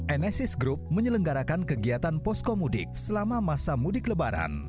enesis group menyelenggarakan kegiatan poskomudik selama masa mudik lebaran